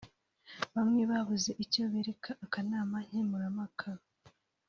Bamwe babuze icyo bereka akanama nkemurampaka